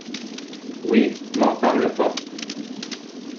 Oui m'en parle pas.